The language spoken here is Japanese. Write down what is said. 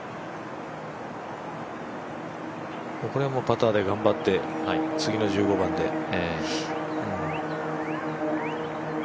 ここはパターで頑張って次の１５番で。